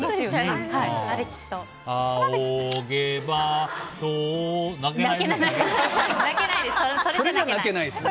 はい。